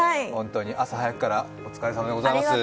朝早くからお疲れさまでございます。